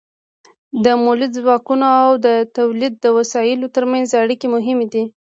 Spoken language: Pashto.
د مؤلده ځواکونو او د تولید د وسایلو ترمنځ اړیکې مهمې دي.